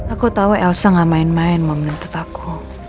aku tahu elsa gak main main mau menuntut aku